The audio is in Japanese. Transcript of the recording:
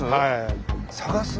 探す？